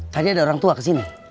tadi ada orang tua kesini